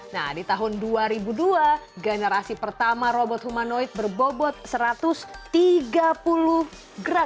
nah di tahun dua ribu dua generasi pertama robot humanoid berbobot satu ratus tiga puluh gram